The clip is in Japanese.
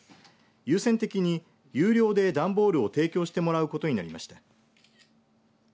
優先的に有料で段ボールを提供してもらうことになりました。